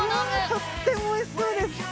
とってもおいしそうです。